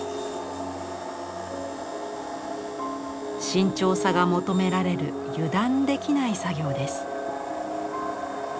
慎重さが求められる油断できない作業です。